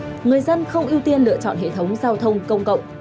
vì vậy người dân không ưu tiên lựa chọn hệ thống giao thông công cộng